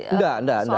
enggak enggak enggak